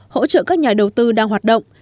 hỗ trợ các nhà đầu tư đang hoạt động